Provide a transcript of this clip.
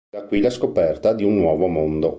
Da qui la scoperta di un nuovo mondo.